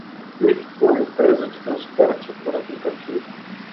Lyft é uma empresa de transporte por aplicativo.